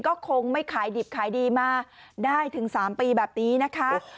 ก็คงไม่ขายดิบขายดีมาได้ถึง๓ปีแบบนี้นะคะ